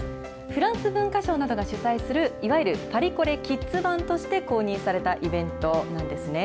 フランス文化省などが主催するいわゆるパリコレキッズ版として公認されたイベントなんですね。